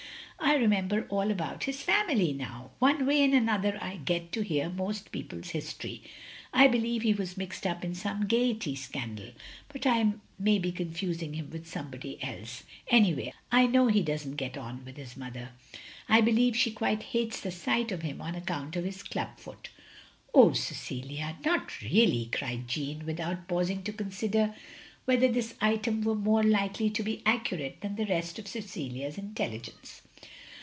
I remember all about his family now. One way and another I get to hear most people's history. I believe he was mixed up in some Gaiety scandal; but I may be confusing him with somebody else. Any way, I know he doesn't get on with his mother. I believe she quite hates the sight of him on account of his club foot. " •*0h, Cecilia, not really," cried Jeanne, without OF GROSVENOR SQUARE 225 pausing to consider whether this item were more likely to be accurate than the rest of Cecilia's inteUigence.